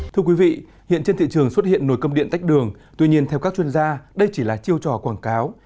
thưa quý vị hiện trên thị trường xuất hiện nồi cơm điện tách đường tuy nhiên theo các chuyên gia đây chỉ là chiêu trò quảng cáo